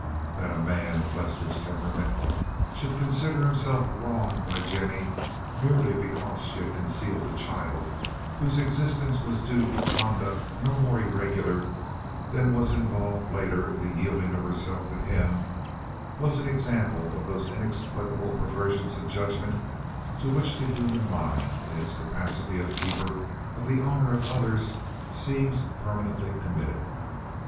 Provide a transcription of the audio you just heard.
That a man of Lester's temperament should consider himself wronged by Jennie merely because she had concealed a child whose existence was due to conduct no more irregular than was involved later in the yielding of herself to him was an example of those inexplicable perversions of judgment to which the human mind, in its capacity of keeper of the honor of others, seems permanently committed.